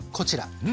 うん。